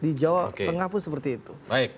di jawa tengah pun seperti itu